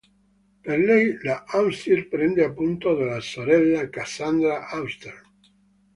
Per lei, la Austen prende spunto dalla sorella Cassandra Austen.